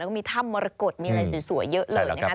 ก็มีถ้ำมรกฏมีอะไรสวยเยอะเลยนะคะ